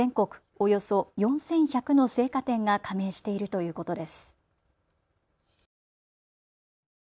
およそ４１００の生花店が加盟しているということです。